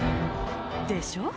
でしょう？